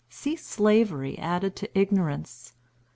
See slavery added to ignorance.